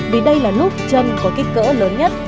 vì đây là lúc chân có kích cỡ lớn nhất